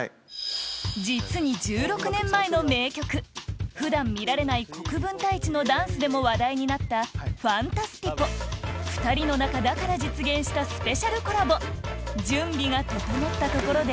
実に１６年前の名曲普段見られない国分太一のダンスでも話題になった『ファンタスティポ』２人の仲だから実現したスペシャルコラボ準備が整ったところで